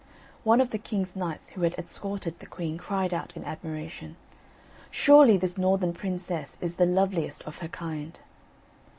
One of the king's knights who had escorted the new queen, cried out in admiration: "Surely this northern Princess is the loveliest of her kind."